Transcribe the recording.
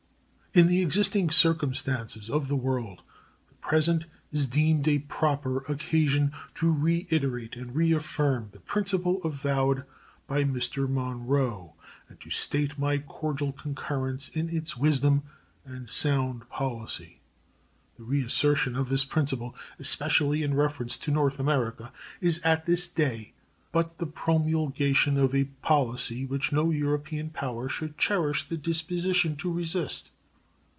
In the existing circumstances of the world the present is deemed a proper occasion to reiterate and reaffirm the principle avowed by Mr. Monroe and to state my cordial concurrence in its wisdom and sound policy. The reassertion of this principle, especially in reference to North America, is at this day but the promulgation of a policy which no European power should cherish the disposition to resist.